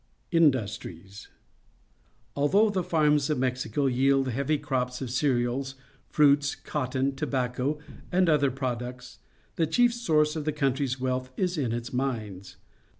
Industries. — Although the farms of Mexico yield heavy crops of cereals fmits, cotton, tobacco, and other products, the chief source of the country's wealth is in its mines.